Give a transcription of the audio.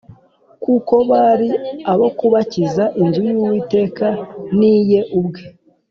kuko bari abo kubaka inzu y’Uwiteka n’iye ubwe